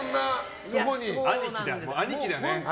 兄貴だね。